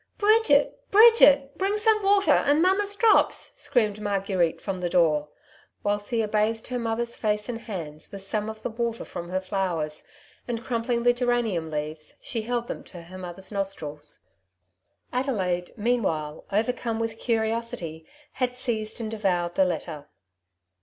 '' Bridget ! Bridget I bring some water, and mammals drops,'* screamed Marguerite from the door; while Thea bathed her mother's face and hands with some of the water from her flowers ; and crumpling the geranium leaves, she held them to her mother's nostrils. Adelaide meanwhile, overcome with curiosity, had seized and devoured the letter.